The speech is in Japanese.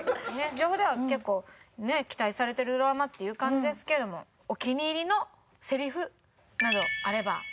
情報では結構期待されてるドラマっていう感じですけどもお気に入りのせりふなどあれば。